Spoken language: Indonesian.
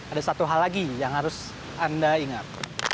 ada satu hal lagi yang harus anda ingat